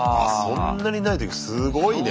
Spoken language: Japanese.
そんなにないとすごいね。